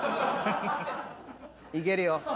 いけるよ。